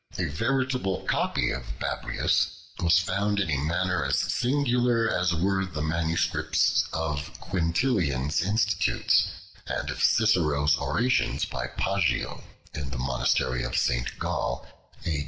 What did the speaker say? A veritable copy of Babrias was found in a manner as singular as were the MSS. of Quinctilian's Institutes, and of Cicero's Orations by Poggio in the monastery of St. Gall A.